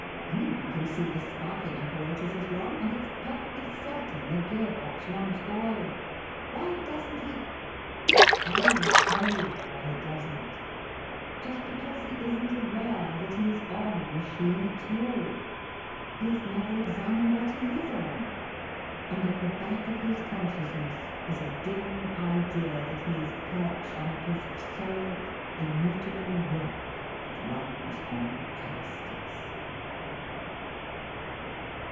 Anyone can see the sparking apparatus is wrong, and it's perfectly certain the gear box wants oil. Why doesn't he ?' I will tell you why he doesn't. Just because he isn't aware that he is on a machine at all. He has never examined what he is on. And at the back of his consciousness is a dim idea that he is perched on a piece of solid, immutable rock that runs on castors.